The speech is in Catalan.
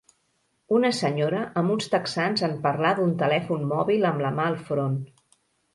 Una senyora amb uns texans en parlar d'un telèfon mòbil amb la mà al front